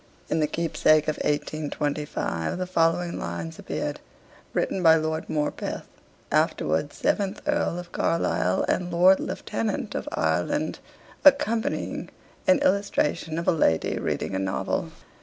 In the 'Keepsake' of 1825 the following lines appeared, written by Lord Morpeth, afterwards seventh Earl of Carlisle, and Lord Lieutenant of Ireland, accompanying an illustration of a lady reading a novel.